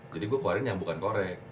jadi gue keluarin yang bukan korek